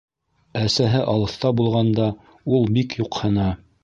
Әсәһе алыҫта булғанда, ул бик юҡһына.